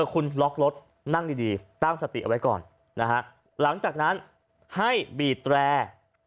คุณล็อกรถนั่งดีตั้งสติเอาไว้ก่อนนะฮะหลังจากนั้นให้บีดแตร